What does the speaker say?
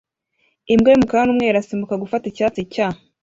Imbwa y'umukara n'umweru irasimbuka gufata icyatsi cya